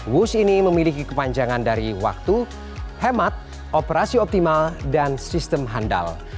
wus ini memiliki kepanjangan dari waktu hemat operasi optimal dan sistem handal